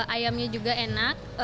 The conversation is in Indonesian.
ayamnya juga enak